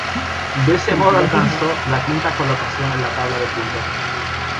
De este modo, alcanzó la quinta colocación en la tabla de puntos.